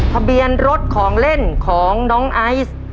ทะเบียนรถของเล่นของน้องไอซ์